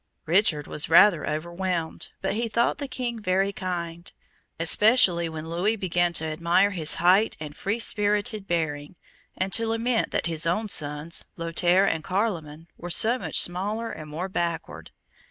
Richard was rather overwhelmed, but he thought the King very kind, especially when Louis began to admire his height and free spirited bearing, and to lament that his own sons, Lothaire and Carloman, were so much smaller and more backward.